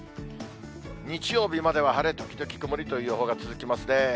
日曜日までは晴れ時々曇りという予報が続きますね。